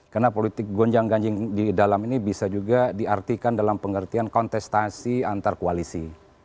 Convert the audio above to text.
karena politik gonjang ganjing di dalam ini bisa juga diartikan dalam pengertian kontestasi antar koalisi